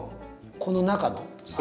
この中の？